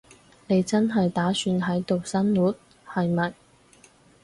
你真係打算喺度生活，係咪？